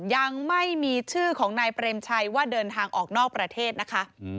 ยังไม่มีชื่อของนายเปรมชัยว่าเดินทางออกนอกประเทศนะคะ